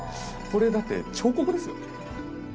これ、だって彫刻ですよ？